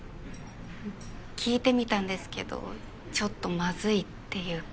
聞いてみたんですけどちょっとマズいっていうか。